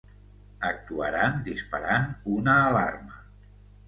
actuaran disparant una alarma